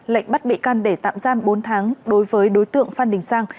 lệnh bắt bị can để tạm giam bốn tháng đối với đối tượng phan đình sang